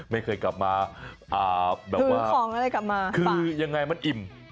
ไม่เคยกลับมาคือยังไงมันอิ่ม